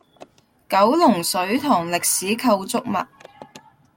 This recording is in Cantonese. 九龍水塘歷史構築物